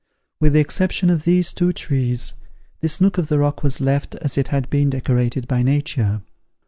With the exception of these two trees, this nook of the rock was left as it had been decorated by nature.